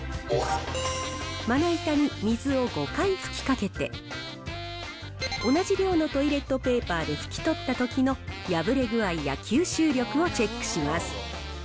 まな板に水を５回吹きかけて、同じ量のトイレットペーパーで拭き取ったときの破れ具合や吸収力をチェックします。